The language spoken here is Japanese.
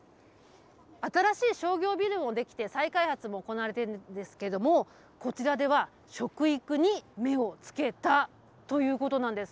新しい商業ビルも出来て再開発も行われているんですけれども、こちらでは、食育に目をつけたということなんです。